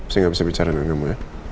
saya nggak bisa bicara dengan kamu ya